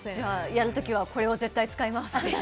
やるときは、これを絶対、使います。